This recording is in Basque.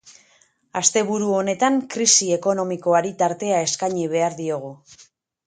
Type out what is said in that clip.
Asteburu honetan krisi ekonomikoari tartea eskaini behar diogu.